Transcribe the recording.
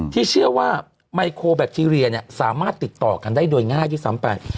ที่เชื่อว่าไมโครแบคทีเรียสามารถติดต่อกันได้โดยง่ายด้วยซ้ำไป